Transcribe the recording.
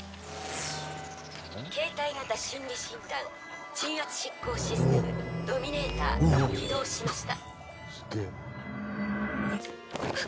携帯型心理診断鎮圧執行システムドミネーター、起動しました。